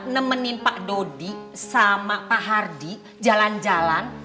nemenin pak dodi sama pak hardi jalan jalan